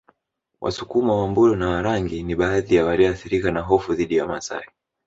Wasukuma Wambulu na Warangi ni baadhi ya walioathirika na hofu dhidi ya Wamasai